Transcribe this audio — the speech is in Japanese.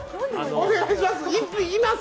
お願いします